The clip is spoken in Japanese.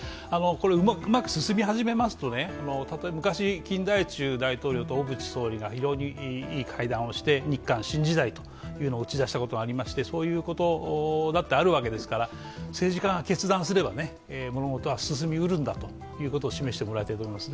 うまく進み始めますと、金大中大統領と小渕総理が非常にいい会談をして、日韓新時代を打ち出したことがありまして、そういうことだってあるわけですから政治家が決断すれば物事は進みうるんだということを示してもらいたいと思います。